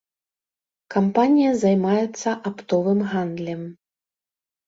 Кампанія займаецца аптовым гандлем.